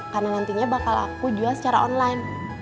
karena nantinya bakal aku jual secara online